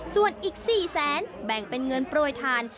ส่วนอีก๔๐๐๐๐๐บาทแบ่งเป็นเงินโปรดทาน